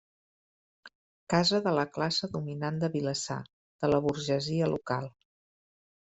Casa de la classe dominant de Vilassar, de la burgesia local.